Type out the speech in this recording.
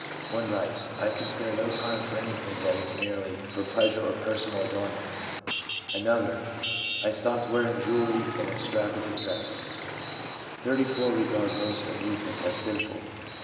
One writes :* I can spare no time for anything that is merely for pleasure or personal adornment/ Another: * I stopped wearing jewellery and extravagant dress/ Thirty four regard most amusements as sinful.